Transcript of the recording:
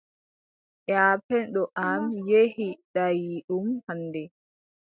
Yaapenndo am yehi daayiiɗum hannde.